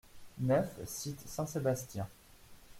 neuf cite Saint-Sébastien